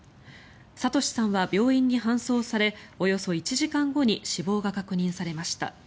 聡さんは病院に搬送されおよそ１時間後に死亡が確認されました。